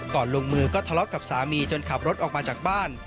ลงมือก็ทะเลาะกับสามีจนขับรถออกมาจากบ้าน